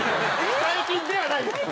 最近ではないです。